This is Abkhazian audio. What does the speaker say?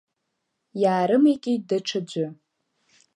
Иаарымеикит даҽаӡәы…